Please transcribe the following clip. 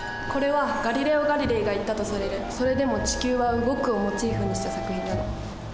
これはガリレオ・ガリレイが言ったとされる「それでも地球は動く」をモチーフにした作品なの。